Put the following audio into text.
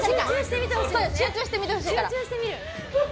集中して見てほしいから。